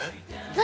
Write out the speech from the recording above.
何？